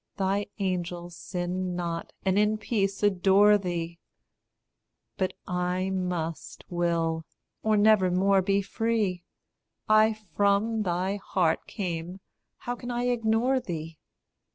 Thy angels sin not and in peace adore thee; But I must will, or never more be free. I from thy heart came, how can I ignore thee?